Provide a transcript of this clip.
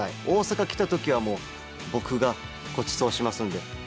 大阪、来たときは、もう僕がごちそうしますんで。